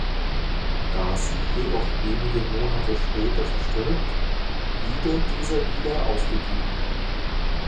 Da sie jedoch wenige Monate später verstirbt, wieder dieser wieder aufgegeben.